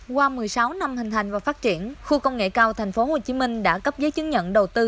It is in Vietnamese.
qua một mươi sáu năm hình thành và phát triển khu công nghệ cao tp hcm đã cấp giấy chứng nhận đầu tư